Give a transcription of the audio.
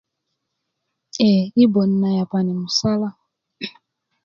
ee yi böt na yapani' musala